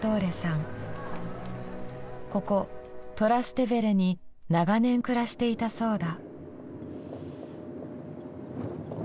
ここトラステヴェレに長年暮らしていたそうだ。